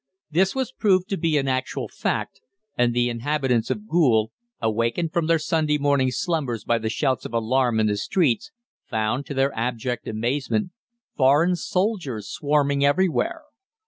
"This was proved to be an actual fact, and the inhabitants of Goole, awakened from their Sunday morning slumbers by the shouts of alarm in the streets, found, to their abject amazement, foreign soldiers swarming everywhere.